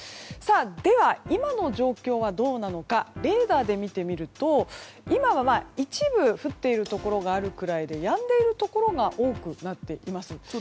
では今の状況はどうなのかレーダーで見てみると今は一部降っているところがあるぐらいでやんでいるところが多くなっています。